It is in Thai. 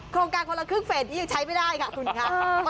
โครงการคนละครึ่งเฟสนี้ยังใช้ไม่ได้ค่ะคุณค่ะ